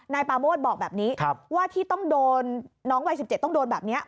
นายปาโมทบอกแบบนี้ว่าที่ต้องโดนน้องวัย๑๗ต้องโดนแบบนี้